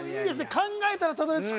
考えたらたどり着く